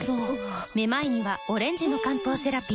めまいにはオレンジの漢方セラピー